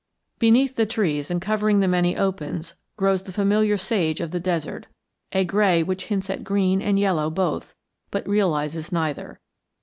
Beneath the trees and covering the many opens grows the familiar sage of the desert, a gray which hints at green and yellow both but realizes neither.